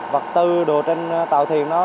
vật tư đồ trên tàu thiền